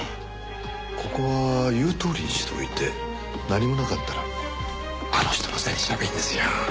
ここは言うとおりにしておいて何もなかったらあの人のせいにしちゃえばいいんですよ。